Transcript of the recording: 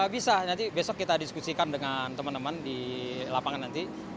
bisa nanti besok kita diskusikan dengan teman teman di lapangan nanti